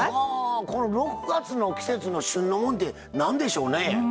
６月の季節の旬のもんって何でしょうね？